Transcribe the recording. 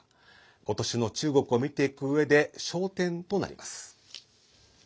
今年の中国を見ていくうえで焦点となります。